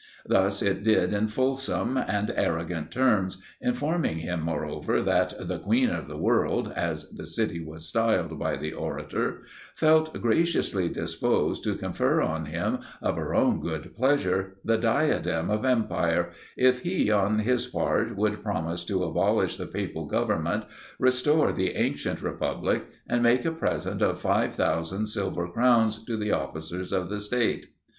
This it did in fulsome and arrogant terms, informing him, moreover, that the 'Queen of the world' as the city was styled by the orator, felt graciously disposed to confer on him, of her own good pleasure, the diadem of empire, if he, on his part, would promise to abolish the papal government, restore the ancient Republic, and make a present of 5000 silver crowns to the officers of the state.